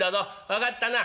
分かったな？